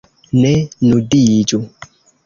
Ne nudiĝu.